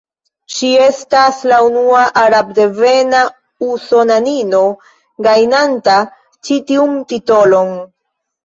Ŝi estas la unua arabdevena usonanino, gajnanta ĉi tiun titolon.